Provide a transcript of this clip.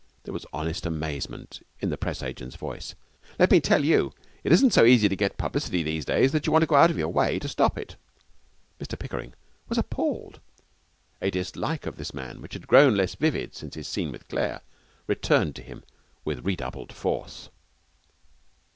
There was honest amazement in the Press agent's voice. 'Let me tell you, it isn't so easy to get publicity these days that you want to go out of your way to stop it!' Mr Pickering was appalled. A dislike of this man, which had grown less vivid since his scene with Claire, returned to him with redoubled force.